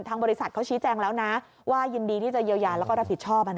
บริษัทเขาชี้แจงแล้วนะว่ายินดีที่จะเยียวยาแล้วก็รับผิดชอบ